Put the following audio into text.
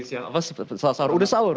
siapa salah sahur udah sahur